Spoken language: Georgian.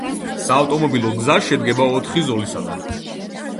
საავტომობილო გზა შედგება ოთხი ზოლისაგან.